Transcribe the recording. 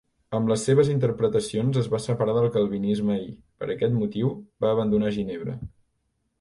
Amb les seves interpretacions es va separar del calvinisme i, per aquest motiu, va abandonar Ginebra.